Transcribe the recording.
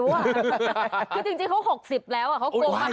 คือจริงเขา๖๐แล้วเขากลัวมา๕๐